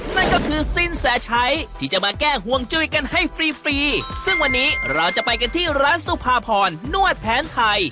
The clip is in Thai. นั่นก็คือสินแสชัยที่จะมาแก้ห่วงจุ้ยกันให้ฟรีฟรีซึ่งวันนี้เราจะไปกันที่ร้านสุภาพรนวดแผนไทย